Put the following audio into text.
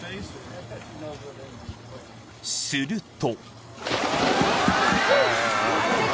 ［すると］